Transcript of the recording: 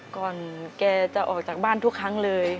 แกจะออกจากบ้านทุกครั้งเลย